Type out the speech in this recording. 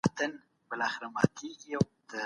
موږ جواب ليکو.